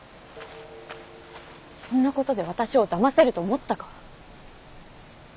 そんなことで私をだませると思ったか。